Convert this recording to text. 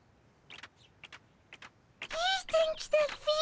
いい天気だっピ。